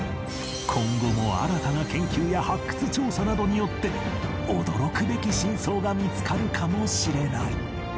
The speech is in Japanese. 今後も新たな研究や発掘調査などによって驚くべき真相が見つかるかもしれない